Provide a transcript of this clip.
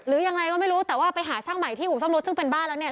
หรือยังไงก็ไม่รู้แต่ว่าไปหาช่างใหม่ที่อู่ซ่อมรถซึ่งเป็นบ้านแล้วเนี่ย